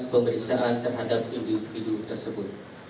pemeriksaan terhadap individu tersebut